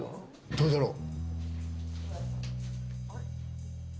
どうだろう？